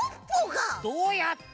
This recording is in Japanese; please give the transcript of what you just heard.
どうやって？